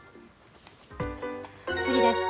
次です。